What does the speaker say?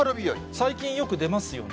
最近よく出ますよね。